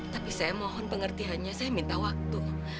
tapi saya mohon pengertiannya saya minta waktu